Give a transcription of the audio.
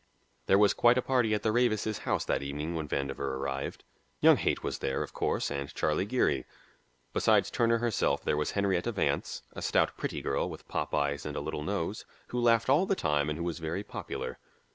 There was quite a party at the Ravises' house that evening when Vandover arrived. Young Haight was there, of course, and Charlie Geary. Besides Turner herself there was Henrietta Vance, a stout, pretty girl, with pop eyes and a little nose, who laughed all the time and who was very popular.